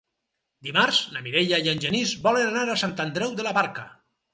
Dimarts na Mireia i en Genís volen anar a Sant Andreu de la Barca.